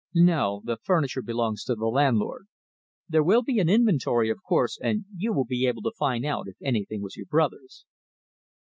"No! the furniture belongs to the landlord. There will be an inventory, of course, and you will be able to find out if anything was your brother's."